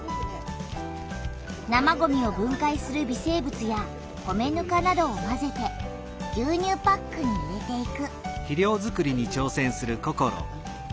生ごみを分かいする微生物や米ぬかなどをまぜて牛乳パックに入れていく。